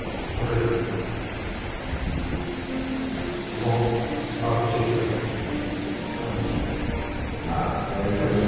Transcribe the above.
もうすばらしい人だったねうん。